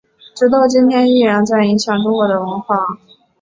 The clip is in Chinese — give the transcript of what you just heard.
直到今天依然在影响中国的文化。